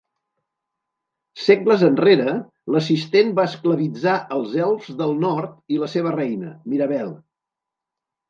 Segles enrere, l'assistent va esclavitzar els elfs del nord i la seva reina, Mirabelle.